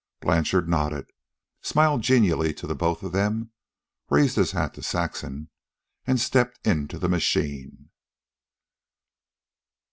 Blanchard nodded, smiled genially to both of them, raised his hat to Saxon, and stepped into the machine.